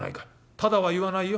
ただは言わないよ。